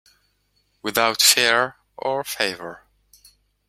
Without fear or favour.